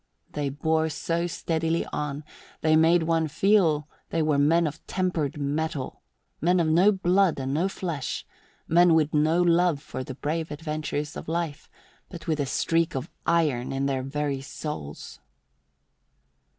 They bore so steadily on, they made one feel they were men of tempered metal, men of no blood and no flesh, men with no love for the brave adventures of life, but with a streak of iron in their very souls.